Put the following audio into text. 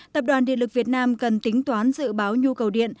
tập đoàn điện lực việt nam cần tính toán dự báo nhu cầu điện